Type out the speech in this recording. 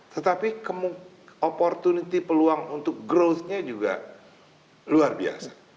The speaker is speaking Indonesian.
tetapi opportunity peluang untuk growth nya juga luar biasa